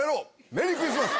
メリークリスマス！